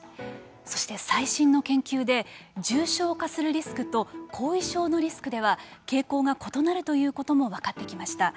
そして最新の研究で重症化するリスクと後遺症のリスクでは傾向が異なるということも分かってきました。